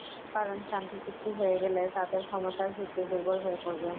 কারণ, শান্তি চুক্তি হয়ে গেলে তাদের ক্ষমতার ভিত্তি দুর্বল হয়ে পড়বে।